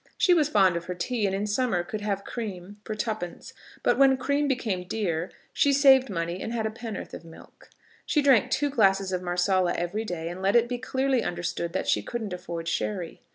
She was fond of her tea, and in summer could have cream for twopence; but when cream became dear, she saved money and had a pen'north of milk. She drank two glasses of Marsala every day, and let it be clearly understood that she couldn't afford sherry.